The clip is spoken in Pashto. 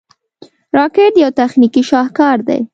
راکټ یو تخنیکي شاهکار دی